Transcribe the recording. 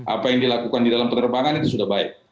apa yang dilakukan di dalam penerbangan itu sudah baik